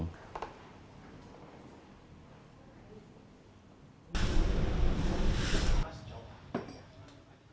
tempat ini sangat pas namun ini bukanlah satu satunya yang ada di bandung